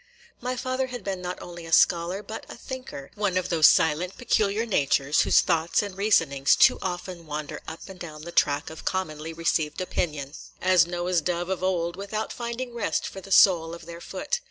My father had been not only a scholar, but a thinker, – one of those silent, peculiar natures whose thoughts and reasonings too often wander up and down the track of commonly received opinion, as Noah's dove of old, without finding rest for the sole of their foot.